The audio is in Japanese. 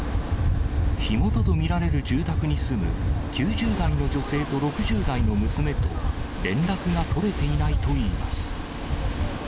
火元と見られる住宅に住む、９０代の女性と６０代の娘と連絡が取れていないといいます。